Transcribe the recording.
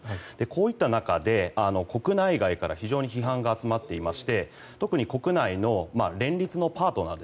こういった中で国内外から非常に批判が集まっていまして特に国内の連立のパートナー